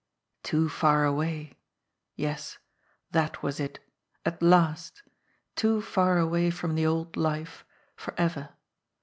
Too far away! Yes, that was it at last! Too far away from the old life forever.